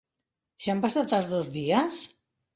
Ja han passat els dos dies?